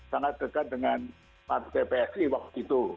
sangat dekat dengan part dpsi waktu itu